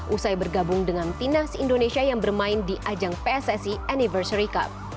usai bergabung dengan timnas indonesia yang bermain di ajang pssi anniversary cup